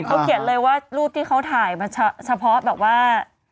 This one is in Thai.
เขาเขียนเลยว่ารูปที่เขาถ่ายมาเฉพาะแบบว่า